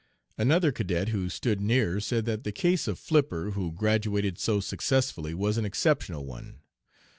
Another cadet who stood near said that the case of Flipper, who graduated so successfully, was an exceptional one.